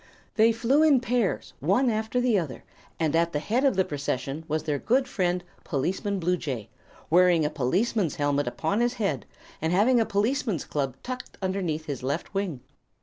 They flew in pairs, one after the other, and at the head of the procession was their good friend Policeman Bluejay, wearing a policeman's helmet upon his head and having a policeman's club tucked underneath his left wing.